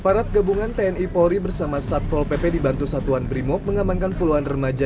aparat gabungan tni polri bersama satpol pp dibantu satuan brimob mengamankan puluhan remaja